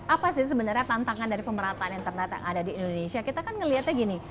apa sih sebenarnya tantangan dari pemerataan internet yang ada di indonesia kita kan ngelihatnya gini